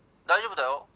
大丈夫だよ